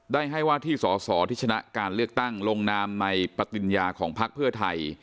ได้ให้ว่าที่สอสอที่ชนะการเลือกตั้งลงนามในปฏิญญาของพักเพื่อไทย